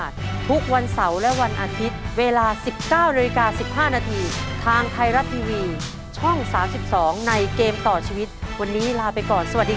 ถูก